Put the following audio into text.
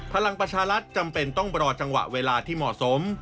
พลังประชารัฐจำเป็นต้องรอจังหวะเวลาที่เหมาะสม